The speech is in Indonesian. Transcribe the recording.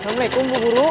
assalamualaikum bu guru